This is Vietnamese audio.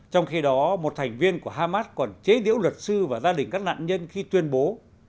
trong khi đó một thành viên của hamas còn chế diễu luật sư và gia đình các nạn nhân khi tuyên bố